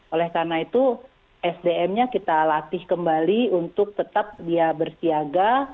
oleh karena itu sdm nya kita latih kembali untuk tetap dia bersiaga